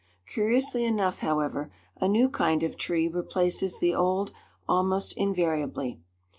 Curiously enough, however, a new kind of tree replaces the old almost invariably.